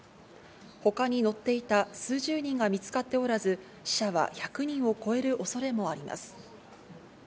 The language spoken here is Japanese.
他に乗っていた数十人が見つかっておらず、死者は１００人を超える恐れもあります。